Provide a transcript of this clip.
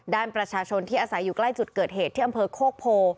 ด้านประชาชนที่อาศัยอยู่ใกล้จุดเกิดเหตุที่อำเภอโคกโพ